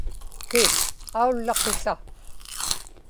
ki, aullaqisa